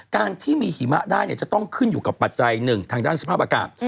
การที่มีหิมะได้จะต้องขึ้นอยู่กับปัจจัยหนึ่งทางด้านสภาพอากาศ